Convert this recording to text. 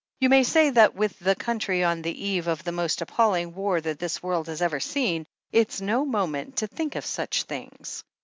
You may say that with the country on the eve of the most appalling war that this world has ever seen, it's no moment to think of such things.